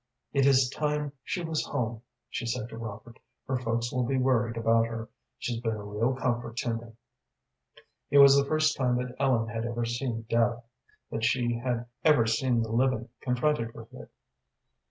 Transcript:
"It is time she was home," she said to Robert. "Her folks will be worried about her. She's been a real comfort to me." It was the first time that Ellen had ever seen death, that she had ever seen the living confronted with it.